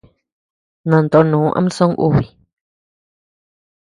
Nantonù ama songubi.